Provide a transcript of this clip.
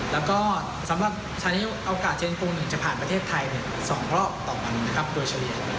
แล้วก็สถานีอวกาศเชียงกรุงหนึ่งจะผ่านประเทศไทย๒รอบต่อวันโดยเฉลี่ย